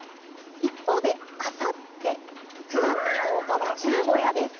一方で、あさって９月１０日は十五夜です。